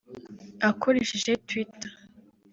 Akoresheje Twitter